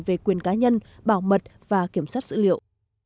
về quyền cá nhân bảo mật và kiểm soát dữ liệu